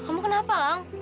kamu kenapa lang